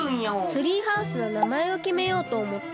ツリーハウスのなまえをきめようとおもって。